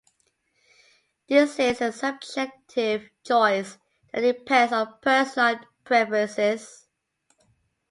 This is a subjective choice that depends on personal preferences.